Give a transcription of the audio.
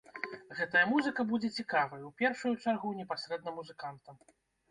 Гэтая музыка будзе цікавай, у першую чаргу, непасрэдна музыкантам.